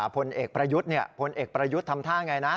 พลเอกประยุทธ์เนี่ยพลเอกประยุทธ์ทำท่าอย่างไรนะ